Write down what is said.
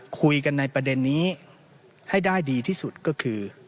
คุยกันในประเด็นนี้ให้ได้ดีที่สุดก็คือ